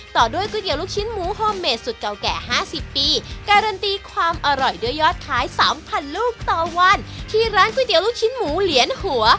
ต่อด้วยก๋วยเตี๋ยวลูกชิ้นหมูโฮเมดสุดเก่าแก่๕๐ปีการันตีความอร่อยด้วยยอดขาย๓๐๐ลูกต่อวันที่ร้านก๋วยเตี๋ยวลูกชิ้นหมูเหลียนหัว